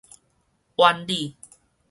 苑裡